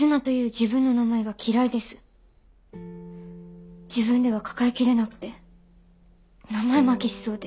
自分では抱えきれなくて名前負けしそうで。